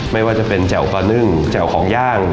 ไม่ว่าจะเป็นแจ่วปลานึ่งแจ่วของย่าง